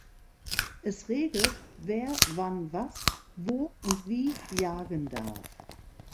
Es regelt, wer wann was, wo und wie jagen darf.